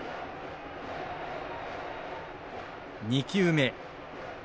２球目。